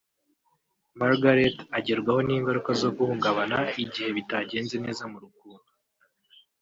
Margaret agerwaho n’ingaruka zo guhungabana igihe bitagenze neza mu rukundo